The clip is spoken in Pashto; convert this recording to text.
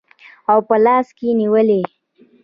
او په لاس کې نیولي